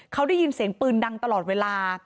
เขาได้ยินเสียงปืนดังตลอดเวลา